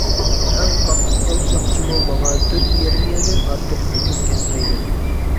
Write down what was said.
ئەڭ قاتتىق قول سوتچىمۇ ماڭا تۆت يېرىم يىلدىن ئارتۇق ھۆكۈم كەسمەيدۇ.